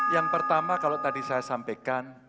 yang pertama kalau tadi saya sampaikan